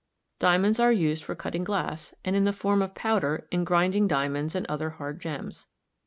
Diamonds are used for cutting glass and, in the form of powder, in grinding diamonds and other hard gems.